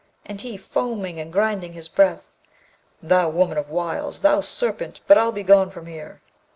And he, foaming and grinding his breath, 'Thou woman of wiles! thou serpent! but I'll be gone from here.'